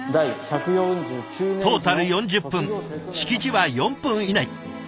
トータル４０分式辞は４分以内。